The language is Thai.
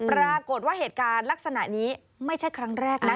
ปรากฏว่าเหตุการณ์ลักษณะนี้ไม่ใช่ครั้งแรกนะ